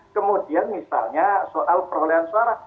kemudian misalnya soal perolehan suara